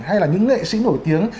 hay là những nghệ sĩ nổi tiếng